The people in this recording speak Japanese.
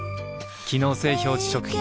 機能性表示食品